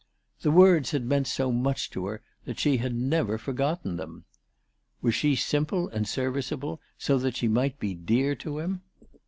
The words had meant so much to her that she had never forgotten them. Was she simple and serviceable, so that she might be dear to him